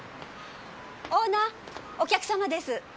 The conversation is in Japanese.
オーナーお客様です。